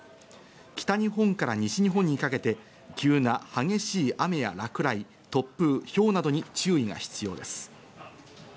北日本から西日本にかけて急な激しい雨や落雷、突風、ひょうなどに注意が必要です。